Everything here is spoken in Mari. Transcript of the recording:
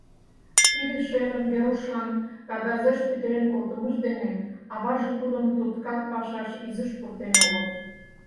Тиде шерым Верушлан кагазеш пӱтырен колтымыж дене аваже тудым туткар пашаш изиш пуртен огыл.